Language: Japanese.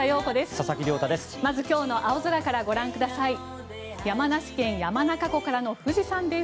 佐々木亮太です。